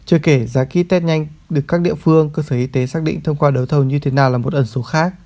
chưa kể giá ký test nhanh được các địa phương cơ sở y tế xác định thông qua đấu thầu như thế nào là một ẩn số khác